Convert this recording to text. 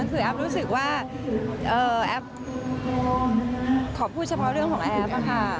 คือแอฟรู้สึกว่าแอฟขอพูดเฉพาะเรื่องของแอฟค่ะ